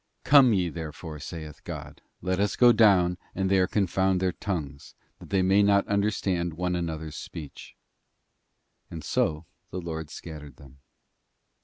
'Come ye therefore,' saith God, 'let us go down and there confound their tongue, that they may not understand one another's speech. And so the Lord scattered them.